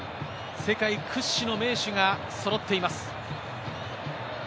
世界屈指の名手がそろっています。